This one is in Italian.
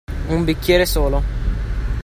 Un bicchiere solo.